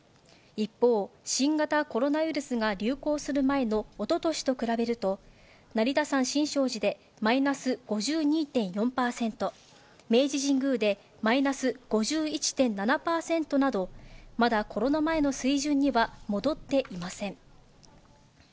一方、新型コロナウイルスが流行する前のおととしと比べると、成田山新勝寺でマイナス５２．４％、明治神宮でマイナス５１．７％など、まだコロナ前の水準には戻っていません。